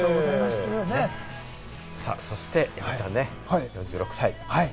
そして山ちゃん、４６歳。